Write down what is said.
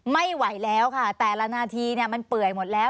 ไม่ไหวแล้วค่ะแต่ละนาทีมันเปื่อยหมดแล้ว